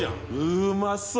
うまそう！